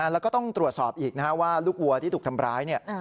แล้วก็ต้องตรวจสอบอีกว่าลูกวัวที่ถูกทำร้ายเนี่ย